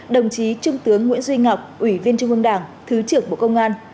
đồng chí trung tướng nguyễn duy ngọc ủy viên trung ương đảng thứ trưởng bộ công an